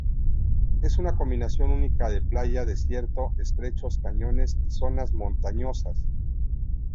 Es una combinación única de playa desierto, estrechos cañones y zonas montañosas.